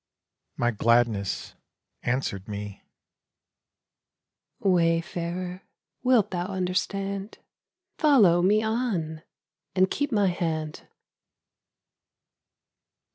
My Gladness answered me: 'Wayfarer, wilt thou understand? Follow me on. And keep my hand.'